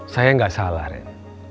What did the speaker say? saya gak salah rem